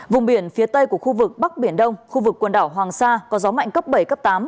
vùng biển phía tây của khu vực bắc biển đông khu vực quần đảo hoàng sa có gió mạnh cấp bảy cấp tám